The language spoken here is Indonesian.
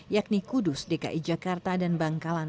yakni kudus dki jakarta dan bangkalan